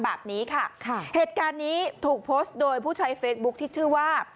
แบบนี้ค่ะเหตุการณ์นี้ถูกโพสต์โดยผู้ใช้เฟซบุ๊คที่ชื่อว่า